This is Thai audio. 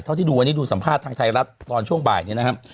เท่าที่ดูวันนี้ดูสัมภาษณ์ทางไทยรัฐตอนช่วงบ่ายเนี่ยนะครับ